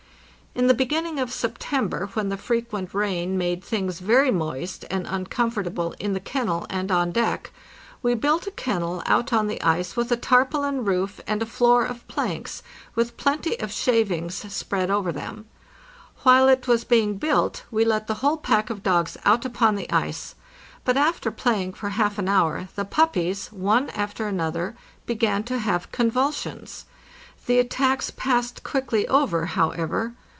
In the beginning of September, when the frequent rain made things very moist and uncomfortable in the kennel and on deck, we built a kennel out on the ice with a tarpaulin roof and a floor of planks, with plenty of shavings spread over them. While it was being built we let the whole pack of dogs out upon the ice; but after playing for half an hour the puppies, one after another, began to have convulsions. The attacks passed quickly over, however.